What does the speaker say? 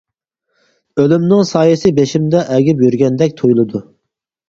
ئۆلۈمنىڭ سايىسى بېشىمدا ئەگىپ يۈرگەندەك تۇيۇلىدۇ.